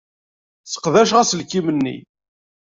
Sseqdaceɣ aselkim-nni.